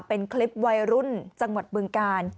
เป็นคลิปวัยรุ่นจังหวัดบึงกาล